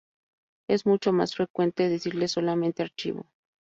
Es mucho más frecuente decirle solamente archivo.